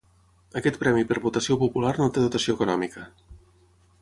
Aquest premi per votació popular no té dotació econòmica.